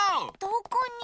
どこに？